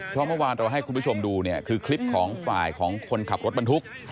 เพราะเมื่อวานเราให้คุณผู้ชมดูเนี่ยคือคลิปของฝ่ายของคนขับรถบรรทุก